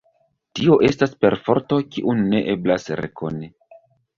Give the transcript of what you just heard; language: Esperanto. Tio estas perforto, kiun ne eblas rekoni.